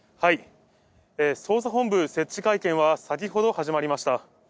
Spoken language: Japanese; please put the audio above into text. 捜査本部設置会見は先ほど始まりました。